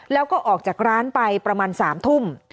แล้วก็ออกจากร้านไปประมาณ๓ทุ่ม